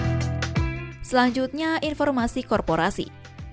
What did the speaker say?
perusahaan teknologi asal china alibaba berencana mengakuisisi perusahaan